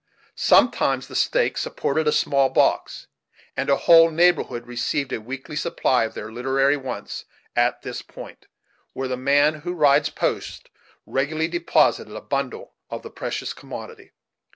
Sometimes the stake supported a small box, and a whole neighborhood received a weekly supply for their literary wants at this point, where the man who "rides post" regularly deposited a bundle of the precious commodity.